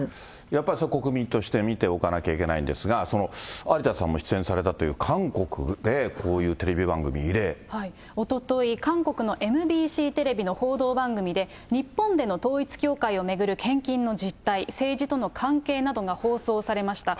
やっぱり国民として見ておかなきゃいけないんですが、有田さんも出演されたという、韓国でこういうテレビ番組、おととい、韓国のＭＢＣテレビの報道番組で、日本での統一教会を巡る献金の実態、政治との関係などが放送されました。